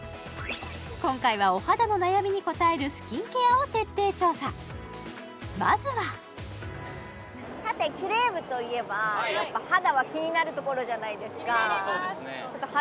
今回はお肌の悩みに応えるスキンケアを徹底調査まずはさてキレイ部といえばやっぱり肌は気になるところじゃないですか気になりますそうですね